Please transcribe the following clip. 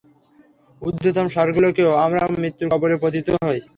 ঊর্ধ্বতম স্বর্গলোকেও আমরা মৃত্যুর কবলে পতিত হই।